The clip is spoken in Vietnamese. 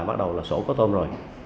bắt đầu là sổ có tôm rồi